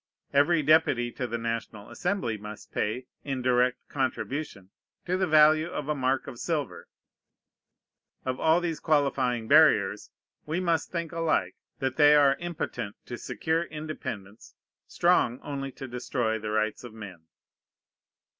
Every deputy to the National Assembly must pay, in direct contribution, to the value of a mark of silver. Of all these qualifying barriers we must think alike: that they are impotent to secure independence, strong only to destroy the rights of men.